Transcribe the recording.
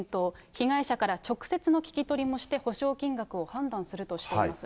被害者から直接の聞き取りもして補償金額を判断するとしています。